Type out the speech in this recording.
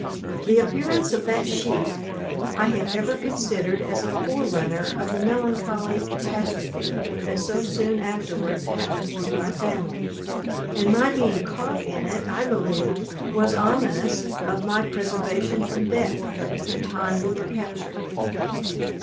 The appearance of that sheet, I have ever considered as a forerunner of the melancholy catastrophe that so soon afterwards happened to our family: and my being caught in it I believe, was ominous of my preservation from death at the time we were captured.